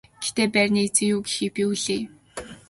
Гэхдээ байрны эзэн юу гэхийг би хүлээе.